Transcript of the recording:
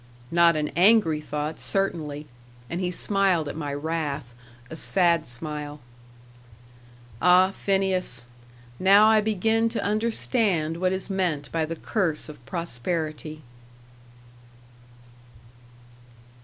"Not an angry thought, certainly." And he smiled at my wrath a sad smile. "Ah, Phineas! now I begin to understand what is meant by the curse of prosperity."